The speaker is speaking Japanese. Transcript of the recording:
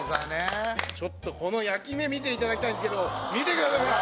ちょっとこの焼き目見て頂きたいんですけど見てくださいほら！